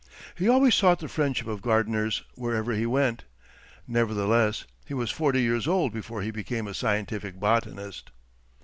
He always sought the friendship of gardeners wherever he went. Nevertheless he was forty years old before he became a scientific botanist.